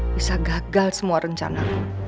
bisa gagal semua rencana